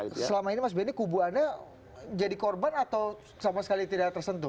tapi selama ini mas benny kubu anda jadi korban atau sama sekali tidak tersentuh